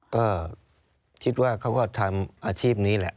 ก็คิดว่าเขาก็ทำอาชีพนี้แหละ